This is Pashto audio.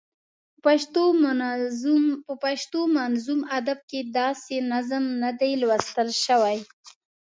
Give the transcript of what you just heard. په پښتو منظوم ادب کې داسې نظم نه دی لوستل شوی.